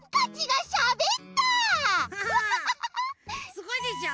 すごいでしょ？